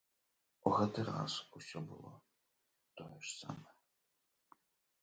У гэты раз усё было тое ж самае.